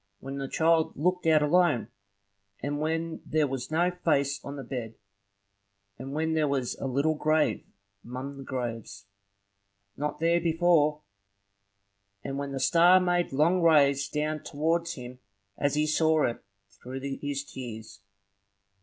when the child looked out alone, and when there was no face on the bed; and when there was a little grave among the graves, not there before; and when the star made long rays down towards him, as he saw it through his tears.